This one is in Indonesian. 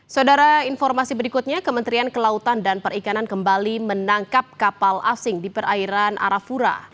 saudara informasi berikutnya kementerian kelautan dan perikanan kembali menangkap kapal asing di perairan arafura